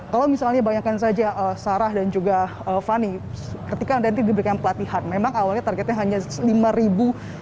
kalau misalnya bayangkan saja sarah dan juga fani ketika nanti diberikan pelatihan memang awalnya targetnya hanya lima ribu